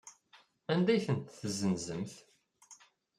Anda ay tent-tessenzemt?